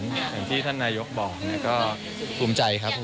อย่างที่ท่านนายกบอกก็ภูมิใจครับ